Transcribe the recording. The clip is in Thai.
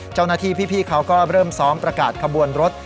เจ้าหน้าที่พี่เขาก็เริ่มซ้อมประกาศขบวนรถ